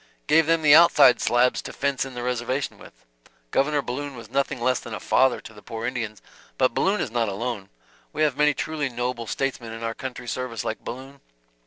"Gave them the outside slabs to fence in the reservation with. Governor Balloon was nothing less than a father to the poor Indians. But Balloon is not alone, we have many truly noble statesmen in our country's service like Balloon.